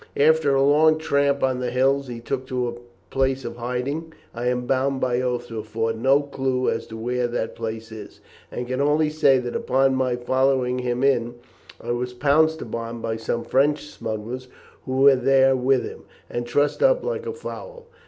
"After a long tramp on the hills he took to a place of hiding. I am bound by oath to afford no clue as to where that place is, and can only say that upon my following him in, I was pounced upon by some French smugglers who were there with him, and trussed up like a fowl.